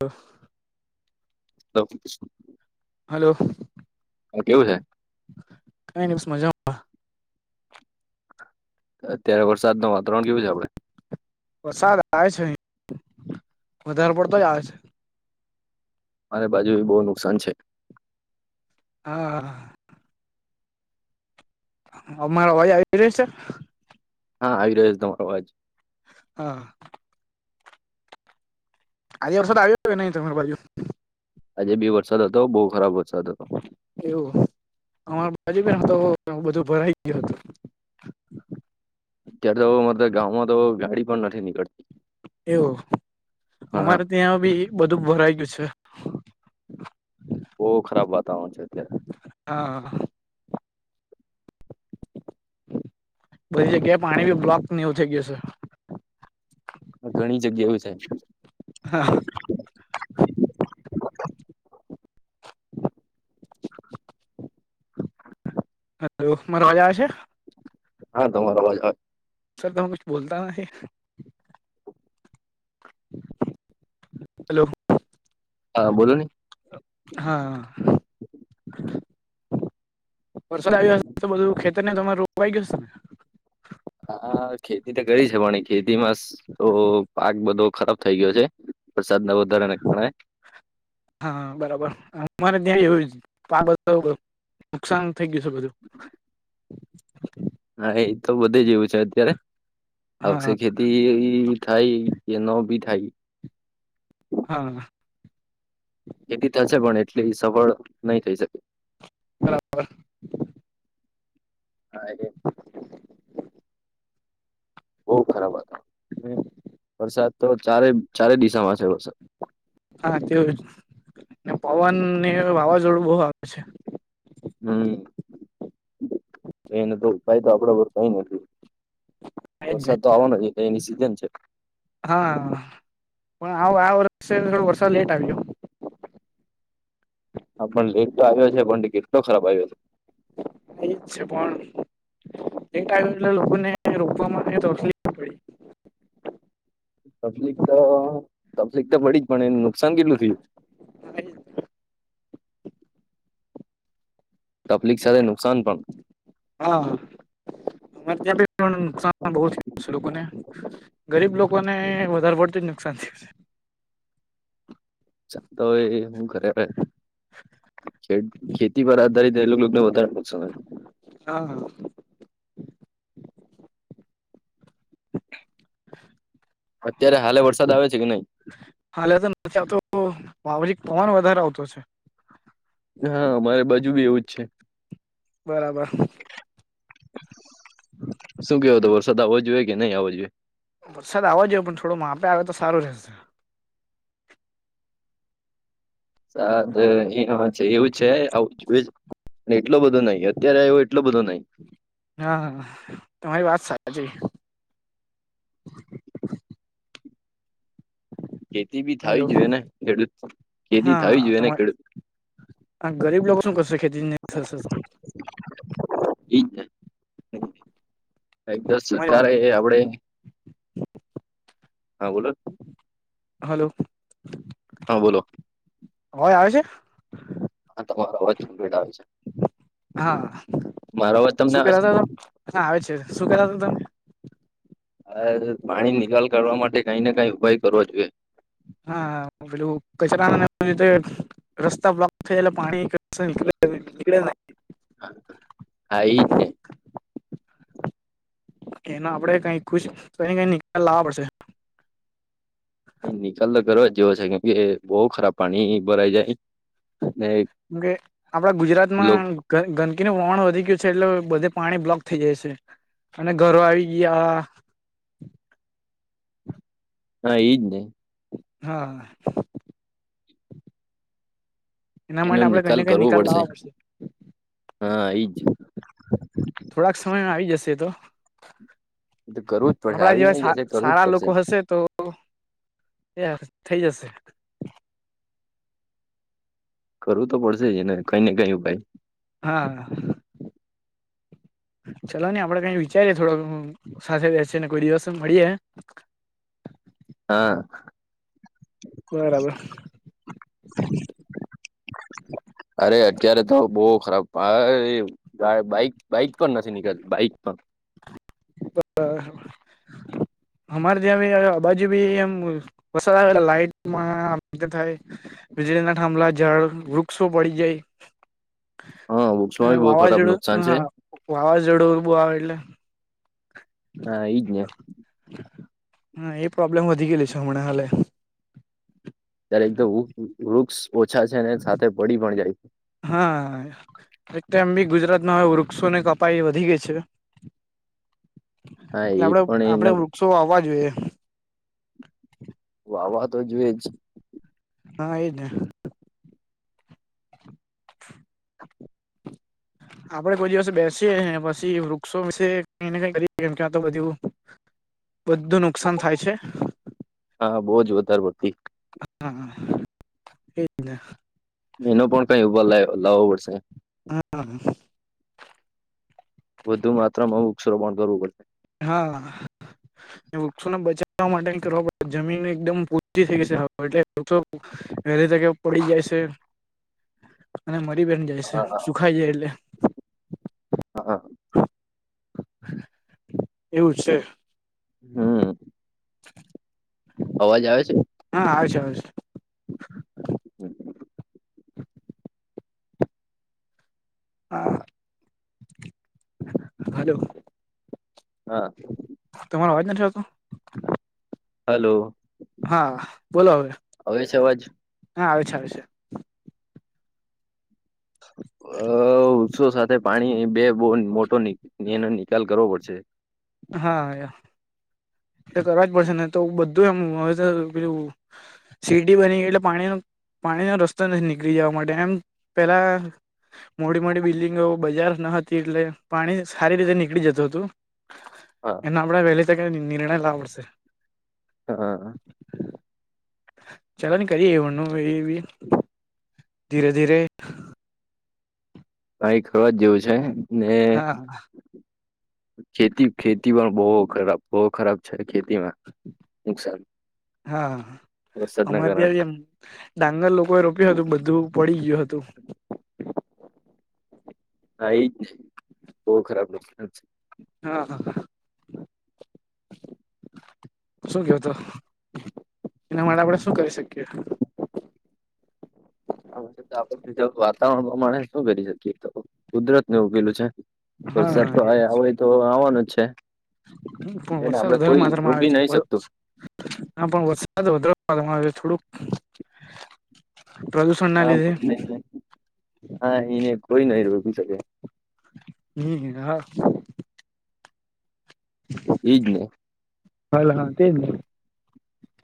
તો. સ [unintelligible] હલો. હ કેવું છે. કઈ ન બસ મજા અત્યારે વરસાદ ન વાતાવરણ કેવું છે આપણે. વરસાદ આવે છે અ વધારે પડતો જ આવે છે. મારે બાજુ બહુ નુકસાન છે. આહ. અમારા ભાઈ આવી રહ્યો છે. હા આવી રહ્યો છે તમારોવાજ હા. આજે વર્ષો આવ્યો કે નહી તમારે બાજુ. આજે બી વરસાદ હતો બહુ ખરાબ વરસાદ હતો. એવું અમાર બાજુ પણ તો બધું ભરાઈ ગયો હતો. અત્યારે તો મ ગામમાં તો ગાડી પણ નથી નીકળતી એવું હા હા, અમારે ત્યાં બી બધું ભરાય ગયું છે. બહુ ખરાબ વાતાવરણ છે અત્યારે હા. બધી જગ્યાએ પાણી બી બ્લોક નેવુ થઈ ગયુ છે. ઘણી જગ્યા એવુ છે. હા. [inaudible] હલો મારો અવાજ આવે છે. હા તમારો અવાજ આવે. સર તમે કુછ બોલતા અહીં. હલો. હા બોલો ને. હા વરસાદ આવી જાય તો બધું [unintelligible] [unintelligible] નહિ તમારે રોપાય ગયુ સ? હા ખેતી તો કરી છે પણ ખેતીમાં તો પાક બધો ખરાબ થઇ ગયો છે. વરસાદ ના વધારાને ગણાય. હા બરાબર મારે ત્યાં એવું જ પાડો તો [unintelligible] નુકસાન થઈ ગયું છે બધુ. હા એ તો બધે જ એવું છે અત્યારે આવશે હા [unintelligible] [unintelligible] ખાઈ એ નો ઉભી થાય. હા ખેતી થશે પણ એટલી સફળ નહી થઈ શકે. બરાબર હા એજ [inaudible] બહુ ખરાબ હાલત અને વરસાદ તો ચારે ચારે દિશામાં છે વરસાદ [unintelligible] પવન ને વાવાઝોડું બહુ આવે છે. હમ એનો તો ઉપાય તો આપડા પર કઈ નથી. એજ ને વરસાદ તો આવવાનો છે એની સીઝન છે. હા પણ આવ આ વર્ષે થોડો વર્ષો લેટ આવ્યો. હા પણ લેટ તો આવ્યો છે પણ કેટલો [unintelligible] એજ છે પણ [unintelligible] ટાઈપ ના લોકોને રોકવા માટે તકલીફ પડી તકલીફ તો તકલીફ તો પડી પણ નુકસાન કેટલું થયું? [unintelligible] તકલીફ સાથે નુકસાન પણ હા અમારે ત્યાં પણ નુકસાન બહુ થયું છે લોકોને. ગરીબ લોકોને વધારે પડતું જ નુકસાન થયું છે. અચ્છા તો એ હું ખરેખર ખે ખેતી પર આધારિત એ લોકો ને વધારે નુકસાન આયુ. આ હ. [unintelligible] અત્યારે હાલે વરસાદ આવે છે [unintelligible] હાલે તો નથી આવતો [unintelligible] પવન વધારે આવતો છે. હા મારે બાજુ બી એવું જ છે. બરાબર શું કેવુ તો વરસાદ આવો જોઈએ કે નહી આવવો જોઈએ. વરસાદ આવવો જોઈએ પણ થોડો માપે આવે તો સારું રહેશે. સાદ એવું છે એવું છે આવું જોઈએ. એટલો બધો નહિ અત્યારે આવ્યો એટલો બધો નહી. હા તમારી વાત સાચી. ખેતી બી થવી હલો જોઈએ ને ખેડૂત ખેતી થવી જોઈએ ને ખેડૂત. આ ગરીબ લોકો શું કરશે ખેતી નહી થશે તો. [unintelligible] એક તો તમારી વાત સરકારે આવડે હા બોલો ન હાલો હા બોલો અવાજ આવે છે. હા તમારો અવાજ ધીમે આવે છે. હા મારો અવાજ તમને શું આવે કેતા છે તમે આવે છે શું કેતા તા તમે. હા પાણી નિકાલ કરવા માટે કઈ ને કઈ ઉપાય કરવો જોઈએ. હા પેલું કચરામાં ને તો રસ્તા બ્લોક થયેલા પાણી નીકળે નીકળે સે. હા એજ ને. એનો આપણે કઈ ખુશ કરીને નિકાલ લાવવા પડશે. નિકાલ તો કરવા જ જેવો છે કેમ કે બહુ ખરાબ પાણી ભરાઈ જાય. ને કેમ કે આપણા ગુજરાતમાં લોકો ગંદકીનું વહણ વધી ગયું છે એટલે બધે પાણી બ્લોક થઈ જાય છે. અને ઘરો આવી ગયા. હા એઈ જ ને. હા. એના માટે આપણે કઈ ને કઈ નિકાલ લાવવા પડશે. હા એજ થોડાક સમયમાં આવી જશે એ તો. તો કરવું જ પડશે આપણા આવી નઈ જેવા જશે કરવું જ સારા પડશે લોકો હશે તો એ થઈ જશે. કરવું તો પડશે જ ને કઈ ને કઈ ભાઈ. હા. ચાલો ની આપડે કઈ વિચારીએ થોડો સાથે બેસીને કોઈ દિવસ મળીએ હા. બરાબર. [inaudible] અરે અત્યારે તો બો ખરાબ ભાઈ. બા બાઈક બાઈક પણ નથી નીકળતી બાઈક પણ. હ હમારે ત્યાં ભ આબાજુ બિ એમ વસાદ આવે એટલે લાઈટમાં આમ તેમ થાય. વીજળી ના થાભલા ઝાડ વૃક્ષો પડી જાય. હા વૃક્ષમાં બી બહુ ખરાબ વાવાઝોડું નુકસાન છે હા વાવાઝોડું બો આવે એટલે હા ઈ જ ને હા એ પ્રોબ્લેમ વધી ગેયલી છે હમણાં હાલે. ત્યારે એક તો વુક વૃક્ષ ઓછા છે ને સાથે પડી પણ જાય. હા. એક તો એમ બી ગુજરાતમાં હવે વૃક્ષો ની કપાઈ વધી ગઈ છે. હા ટલે એ આપડે પણ આપડે એને વૃક્ષો વાવવા જોઈએ. વાવવા તો જોઈએ છે. હા એઈ જને. આપડે કોઈ દિવસ બેસીએ ને પછી વૃક્ષો વિશે કઈને કઈ કરીએ કેમ કે આ તો બધું. બધું નુકસાન થાય છે. હા બો જ વધારે પડતી. હા એ જ ને. એનો પણ કઈ ઉભા લાય લાવો પડશે. હા હા. વધુ માત્રમાં વૃક્ષરોપાણ કરવું પડશે. હા વૃક્ષોને બચાવવા માટે [unintelligible] એ રી [unintelligible] તકે પડી જાય છે અને મરી બેન જાય છે હા સુખાય જાય એટલે હા એવું છે. હમમ [inaudible] અવાજ આવે છે? હા આવેછે આવેછે. [inaudible] [inaudible] આ- હલો હા તમારો અવાજ નથી આવતો હલો હા બોલો હવે આવે છે અવાજ - હા આવે છે આવે છે. અ વૃક્ષો સાથે પાણી બે બુન મોટો ની નિકાલ કરવો પડશે. હા એ- એક અવાજ પછી જ ને તો બધું એમ હવે‌ છે બીજુ સિટી બની ગઈ એટલે પાણીનો પાણીનો રસ્તો નથી નીકળી જવા માટે એમ પેલા મોટી મોટી બિલ્ડિંગો બજાર ન હતી એટલે પાણી સારી રીતે નીકળી જતું હતું હા એનો આપડે વેલી તકે નિર્ણય લાવો પડશે હા ચલો ની કરીએ એવણનું એ બી ધીરે ધીરે કઈ કરવા જ જેવું છે. ને હા ખેતી ખેતી માં બહુ ખરાબ બહુ ખરાબ છે. ખેતીમાં નુકસાન હા વરસાદના અમારે ત્યાં કારણે બીએમ ડાંગર લોકો એ રોપ્યું હતું બધું પડી ગયું હતું. હા એ જ બહુ ખરાબ નુકસાન હા હા શું ગયો તો એના માટે આપણેે શું કરી શકીએ? આપડે બીધું [unintelligible] વાતાવરણ પ્રમાણે શું કરી શકીએ તો કુદરત ને ઉકેેલું છે. હા વરસાદ હા તો આયે એજ આવે તો આવાનું જ છે. પણ એને આપડે કોઈ રોકી નહી શકતું ના પણ વરસાદ વધારે આવે [unintelligible] થોડુંક પ્રદૂષણ ના હા લીધે પણ એને હા એને ઈને કોઈ નહીં રોકી શકે. હમ્મ [unintelligible] હા. ઈ જ ને હાલો હાસીમ.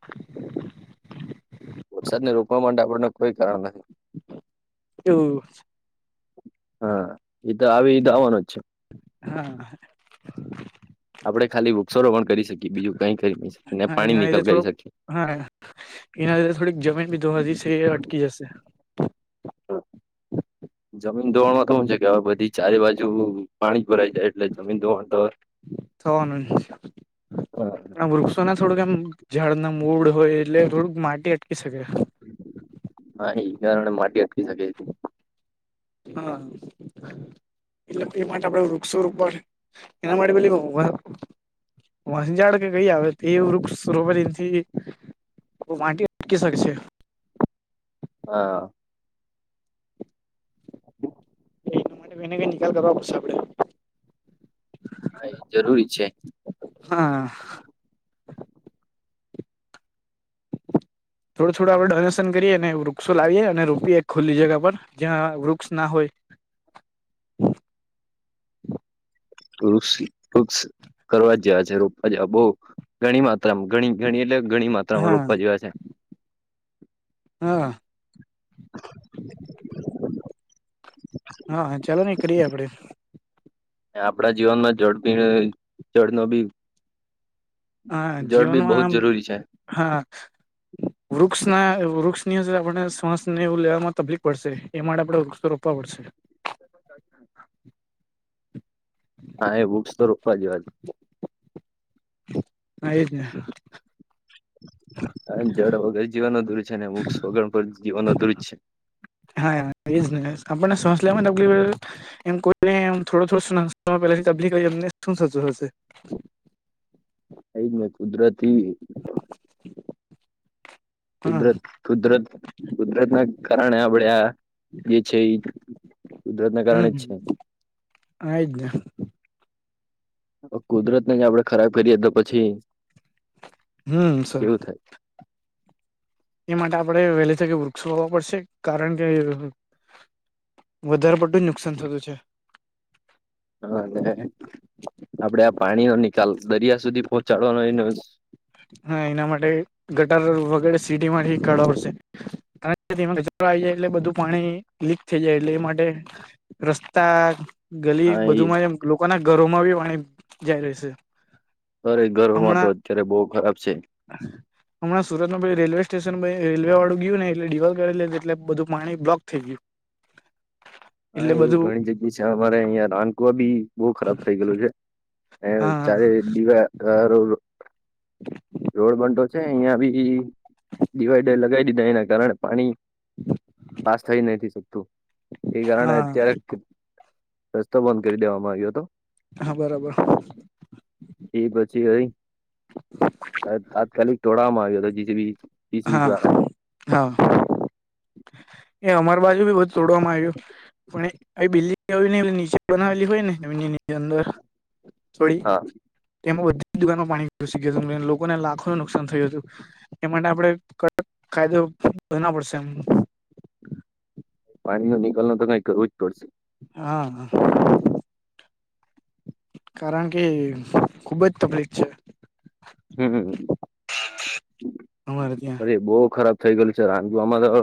[unintelligible] [inaudible] વરસાદ ને રોકવા માટે આપડ ને કોઈ કારણ નહીં હ [inaudible] હા એ તો આવે આવા નો જ છે. હા. આપણે ખાલી વૃક્ષારોપણ પણ કરી શકીએ બીજું કાંઈ કરી નહી. ને હા પાણી એના લીધે નિકાલ કરી થોડોક શકીએ હા એના લીધે થોડીક જમીન દવા છે. એ અટકી જશે હા. જમીન ધોવામાં તો હું છે. કે હવે બધી ચારે બાજુ પાણી ભરાઈ જાય એટલે જમીન ધોવાણ તો હોય. થવાનું હા પણ આ વૃક્ષોને થોડું કેમ ઝાડના મૂળ હોય એટલે રોગ માટી અટકી શકે. હા ઈ કારણ માટી અખી શકે છે. હા. એટલે એ માટે આપડે વૃક્ષોરોપણ એના માટે પેલી. વનઝાડ કે કઈ આવે તો એ વૃક્ષરોપણ છે. [unintelligible] [unintelligible] છે. હા. [unintelligible] એના માટે કોઈક ને નિકાલ કરવા પડશે આપણે. હા એ જરૂરી છે. હા. થોડું થોડું આપણે ડોનેશન કરીએ અને વૃક્ષો લાવીએ અને રોપ એ ખુલ્લી જગ્યા પર જ્યાં વૃક્ષ ના હોય. વૃક્ષ વૃક્ષ કરવા જેવા છે. રોપવા જેવા બહુ ઘણી માત્ર ઘણી ઘણી એટલે ઘણી માત્રામાં હા રોપવા જેવા છે. હા. હા ચાલો ની કરી આપડે. આપણા જીવનમાં જડપી જળ નો હા જળ ની બહુ જ જીવનમાં જરૂરી છે. હા. વૃક્ષને વૃક્ષની અંદર આપણે શ્વાસને એવું લેવામાં તકલીફ પડશે એ માટે આપડે વૃક્ષો રોપવા પડશે. [inaudible] હમ [unintelligible] હા એ વૃક્ષો તો રોપવા જોઈએ. ના એ જ ને. જળ વગર જીવાનો દૂરજ છે અને મુક્ષ વગરણ પર જીવાનો દૂરજ છે. હા આપને સજ લ એમ કોઈને થોડો થોડો પ તબલી એમને શું સાચું હશે. અઈ મે કુદરતી. હા કુદરત કુદરત કુદરત ના કારણે આપણે આ જે છે એ કુદરાત ના કારણે જ છે. આ જને. કુદરત ન આપડે ખરાબ કરીએ તો પછી. હમ સર કેવું એ માટે આપણે વહેલી થકી વૃક્ષો હોવા પડશે કારણ કે વધારે પડટું જ નુકસાન થતું છે. હ અને આપડે આ પાણી ન નિકાલ દરિયા સુધી પહોંચાડવાનો એ હા એના માટે ગટર વગેરે સીટીમાંથી કઢાવો પડશે. કચરો આવી જાય એટલે બધું પાણી લીક થઈ જાય એટલે એ માટે રસ્તા ગલી હા એ બધુંમાં એમ લોકોના ઘરોમાં બી પાણી જાય રહે છે. અરે ઘરમાં તો અત્યારે બહુ ખરાબ છે. [unintelligible] હમણા સુરતમાં પછી રેલવે સ્ટેશન રેલવે વાળું ગયું ને એટલે દિવાલ કરી [unintelligible] એટલે બધું પાણી્ બ્લોક થઈ ગયું. [inaudible] હા એટલે એવું બધું ઘણી જગ્યા છે અમારે અહિયાં નાનકુવા બી બહુ ખરાબ થઇ ગેલું છે. એ હા ચારે દીવા [unintelligible] રોડ બનતો છે અહિયાં બી. ડિવાઈડર લગાવી દીધા એના કારણે પાણી પાસ થઈ નથી શકતું. એ કારણે હા અત્યારે રસ્તો બંધ કરી દેવામાં આવ્યો હતો. હા બરાબર. એ પછી હવે અ તાત્કાલિક ટોળામાં આવ્યો હતો જીજી બી હા હા એ અમાર બાજુ બી બધ તોડવામાં આવ્યું પણ એ બિલ્ડિંગ નીચે બનાવેલી હોય ને એવનીની. ની અંદર થોડી હા એમાં બધી જ દુકાનોમાં પાણી ઘુસી ગયુ હતું લોકોને લાખો નું નુકસાન થયું હતું એ માટે આપણે કડક કાયદો બનવવો પડશે એમ. પાણીના નીકાલ નું તો કાંઈ કરવું જ પડશે. હા કારણ કે ખુબ જ તકલીફ છે. હમ્મ, અમારે ત્યાં અરે બહું ખરાબ થઇ ગયેલું છે રાંધવામાં તો